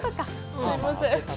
すいません。